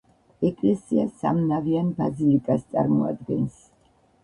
ეკლესია სამნავიან ბაზილიკას წარმოადგენს.